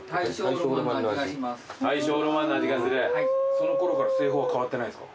そのころから製法は変わってないですか？